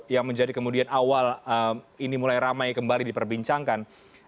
yang menjadi kemudian awal ini mulai ramai kembali diperbincangkan